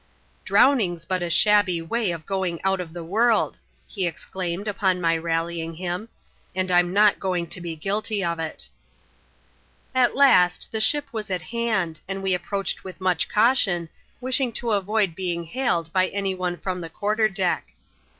" Browning's but a shabby way of going out of the world," he exclaimed, upon my rallying him ;" and Vm, aofc going to be guilty of it. At last, the ship was at hand, and we approached with mn^ caution, wishing to avoid being hailed by any one from the quarter deck.